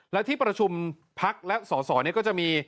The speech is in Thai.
และที่ประชุมพักและสอสอนี้ก็จะมี